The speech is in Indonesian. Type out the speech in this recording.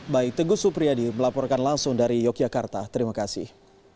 baik teguh supriyadi melaporkan langsung dari yogyakarta terima kasih